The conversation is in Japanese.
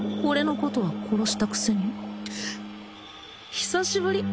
俺のことは殺したくせに久しぶり